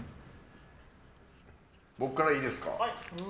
僕からいいですか。